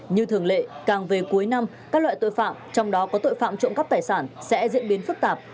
như thường lệ càng về cuối năm các loại tội phạm trong đó có tội phạm trộm cắp tài sản sẽ diễn biến phức tạp